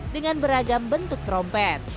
dengan beragam bentuk trompet